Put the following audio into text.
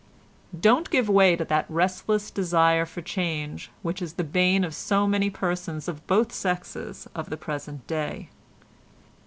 "Don't give way to that restless desire for change which is the bane of so many persons of both sexes at the present day.